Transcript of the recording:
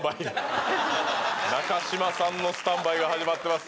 中嶋さんのスタンバイが始まってます